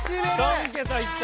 ３桁いった！